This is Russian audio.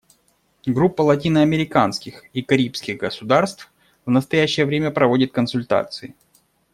Группа латиноамериканских и карибских государств в настоящее время проводит консультации.